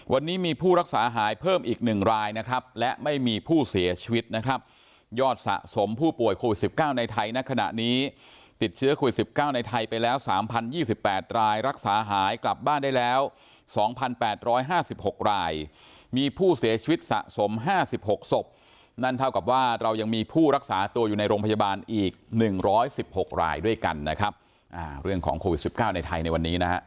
วันนี้มีผู้รักษาหายเพิ่มอีก๑รายนะครับและไม่มีผู้เสียชีวิตนะครับยอดสะสมผู้ป่วยโควิด๑๙ในไทยณขณะนี้ติดเชื้อโควิด๑๙ในไทยไปแล้ว๓๐๒๘รายรักษาหายกลับบ้านได้แล้ว๒๘๕๖รายมีผู้เสียชีวิตสะสม๕๖ศพนั่นเท่ากับว่าเรายังมีผู้รักษาตัวอยู่ในโรงพยาบาลอีก๑๑๖รายด้วยกันนะครับเรื่องของโควิด๑๙ในไทยในวันนี้นะฮะ